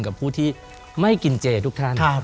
กับผู้ที่ไม่กินเจทุกท่าน